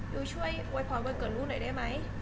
ยูช่วยไว้ผ่อนวันเกิดลูกหน่อยได้ไหม